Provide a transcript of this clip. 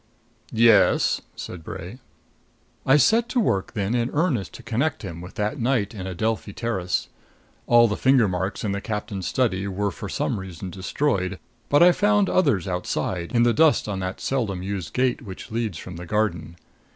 "Yes?" said Bray. "I set to work then in earnest to connect him with that night in Adelphi Terrace. All the finger marks in the captain's study were for some reason destroyed, but I found others outside, in the dust on that seldom used gate which leads from the garden.